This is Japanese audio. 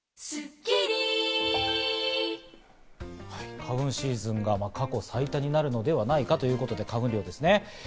花粉シーズンが過去最多になるのではないかということで、花粉の量ですね。